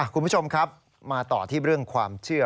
คุณผู้ชมครับมาต่อที่เรื่องความเชื่อ